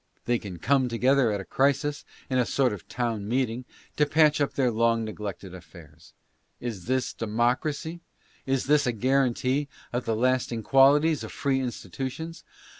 They can come together at a crisis, in a sort of town meeting, to patch up their long neglected affairs. Is this democracy? Is this a guarantee of the lasting qualities of free institutions